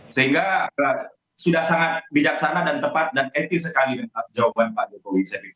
sehingga sudah sangat bijaksana dan tepat dan etis sekali jawaban pak jokowi